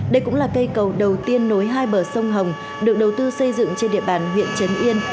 đây cũng là cây cầu đầu tiên nối hai bờ sông hồng được đầu tư xây dựng trên địa bàn huyện trấn yên